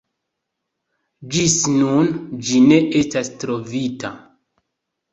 Ĝis nun ĝi ne estas trovita.